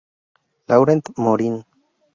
Laurent Morin.